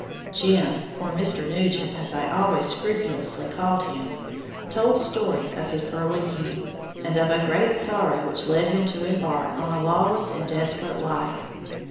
"Jim," or Mr. Nugent, as I always scrupulously called him, told stories of his early youth, and of a great sorrow which had led him to embark on a lawless and desperate life.